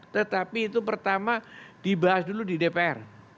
tetapi itu pertama dibahas dulu di dpr